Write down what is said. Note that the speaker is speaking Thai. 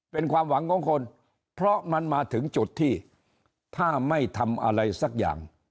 เป็นความหวังของคนเพราะมันมาถึงจุดที่ถ้าไม่ทำอะไรสักอย่าง